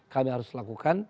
kami harus lakukan